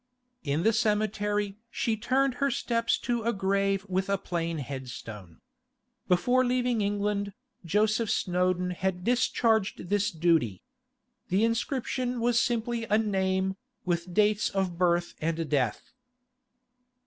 In the cemetery she turned her steps to a grave with a plain headstone. Before leaving England, Joseph Snowdon had discharged this duty. The inscription was simply a name, with dates of birth and death.